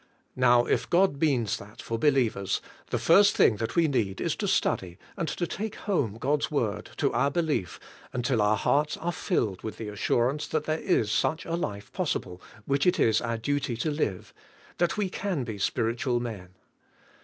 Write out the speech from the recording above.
Now, if God means that for be lievers, the first thing that we need is to study, and to take home God's Word, to our belief until our hearts are filled with the assurance that there is such a life possible which it is our duty to live; that we can be spiritual men.